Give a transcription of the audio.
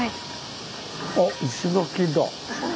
あ石垣だ。